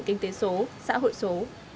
kinh tế số xã hội số